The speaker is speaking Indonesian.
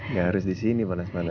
gak harus disini panas panas